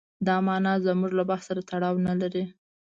دا معنا زموږ له بحث سره تړاو نه لري.